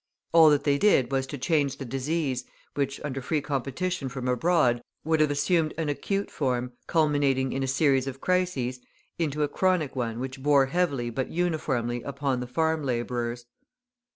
All that they did was to change the disease, which, under free competition from abroad, would have assumed an acute form, culminating in a series of crises, into a chronic one which bore heavily but uniformly upon the farm labourers.